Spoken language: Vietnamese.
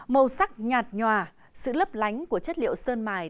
màu sắc nhạt nhòa sự lấp lánh của chất liệu sơn mài